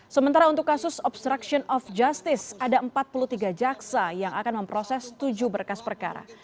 sementara untuk kasus obstruction of justice ada empat puluh tiga jaksa yang akan memproses tujuh berkas perkara